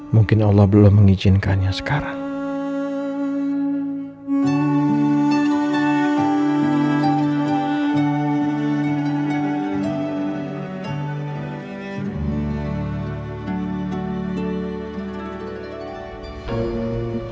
mungkin allah belum mengizinkannya sekarang